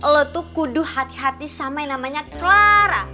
lo tuh kudu hati hati sama yang namanya clara